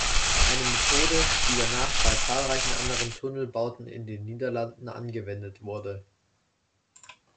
Eine Methode, die danach bei zahlreichen anderen Tunnelbauten in den Niederlanden angewendet wurde.